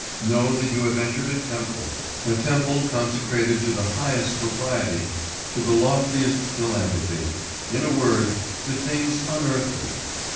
Know that you have entered a temple, a temple consecrated to the highest propriety, to the loftiest philanthropy, in a word, to things unearthly....